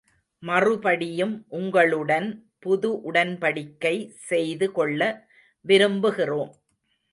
மறுபடியும், உங்களுடன் புது உடன்படிக்கை செய்து கொள்ள விரும்புகிறோம்.